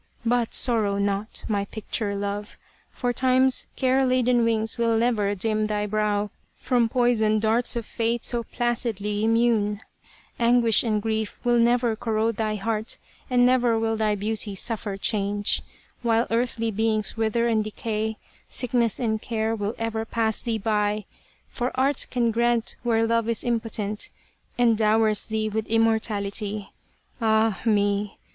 But sorrow not, my picture love, For Time's care laden wings will never dim thy brow From poisoned darts of Fate so placidly immune ; Anguish and grief will ne'er corrode thy heart, And never will thy beauty suffer change : While earthly beings wither and decay Sickness and care will ever pass thee by, For Art can grant where Love is impotent, And dowers thee with immortality. 124 The Lady of the Picture Ah me